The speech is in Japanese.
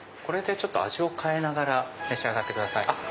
これで味を変えながら召し上がってください。